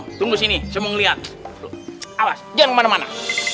semong tunggu sini semong lihat abas jangan kemana mana